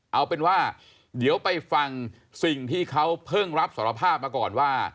เอาเป็นว่าเดี๋ยวไปฟังสิ่งที่เขาเพิ่งรับสารภาพมาก่อนว่า